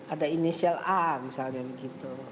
ada inisial a misalnya begitu